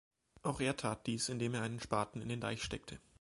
Auch er tat dies, indem er einen Spaten in den Deich steckte.